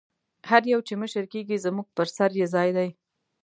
هر یو چې مشر کېږي زموږ پر سر یې ځای دی.